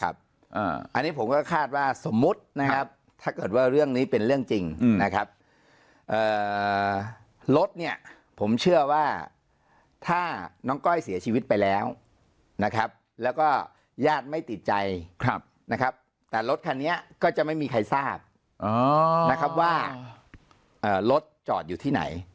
อันนี้ผมก็คาดว่าสมมุตินะครับถ้าเกิดว่าเรื่องนี้เป็นเรื่องจริงนะครับรถเนี่ยผมเชื่อว่าถ้าน้องก้อยเสียชีวิตไปแล้วนะครับแล้วก็ญาติไม่ติดใจนะครับแต่รถคันนี้ก็จะไม่มีใครทราบนะครับว่ารถจอดอยู่ที่ไหน